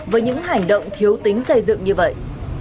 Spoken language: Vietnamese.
với những hành động thiếu tính xây dựng như vậy